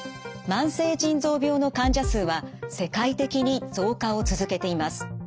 慢性腎臓病の患者数は世界的に増加を続けています。